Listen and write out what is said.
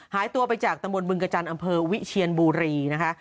หายตัวไปจากตำบลบึงกระจันทร์อำเภอวิเชียนบุรีนะคะ